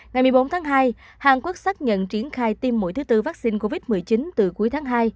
ngày một mươi bốn tháng hai hàn quốc xác nhận triển khai tiêm mũi thứ bốn vắc xin covid một mươi chín từ cuối tháng hai